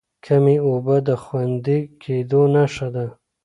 کمې اوبه د خوندي کېدو نښه ده.